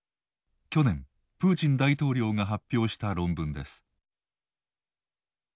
去年プーチン大統領が発表した論文です。